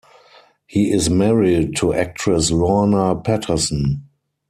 He is married to actress Lorna Patterson.